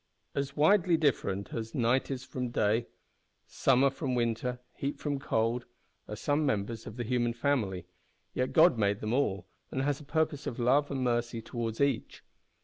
As widely different as night is from day, summer from winter, heat from cold, are some members of the human family; yet God made them all, and has a purpose of love and mercy towards each!